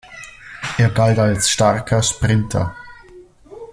Er galt als starker Sprinter.